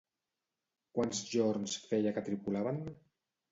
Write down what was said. Quants jorns feia que tripulaven?